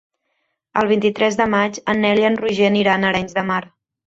El vint-i-tres de maig en Nel i en Roger aniran a Arenys de Mar.